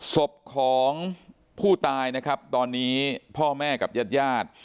สมของผู้ตายตอนนี้พ่อแม่กับญาติยากยาด